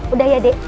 udah ya dek